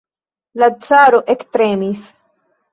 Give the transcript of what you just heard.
La caro ektremis.